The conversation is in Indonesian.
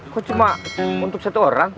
kok cuma untuk satu orang